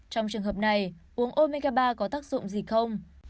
trong trường hợp này uống omega ba có tác dụng gì không